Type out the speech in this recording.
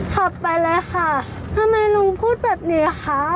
ขับไปเลยค่ะทำไมลุงพูดแบบนี้คะ